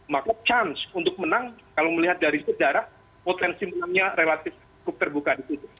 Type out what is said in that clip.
maka chance untuk menang kalau melihat dari sejarah potensi menangnya relatif cukup terbuka di situ